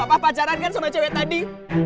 pak pak pacaran kan sama cewek tadi